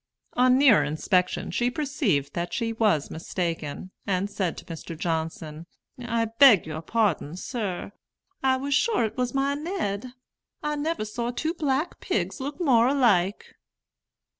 On nearer inspection she perceived that she was mistaken, and said to Mr. Johnson: "I beg your pardon, sir. I was sure it was my Ned. I never saw two black pigs look more alike."